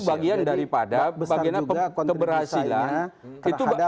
itu bagian daripada keberhasilan